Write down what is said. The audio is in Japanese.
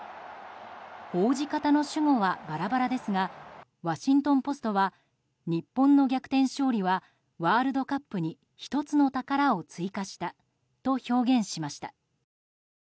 報じ方の主語はバラバラですがワシントン・ポストは日本の逆転勝利はワールドカップに１つの宝を追加したと表現しました。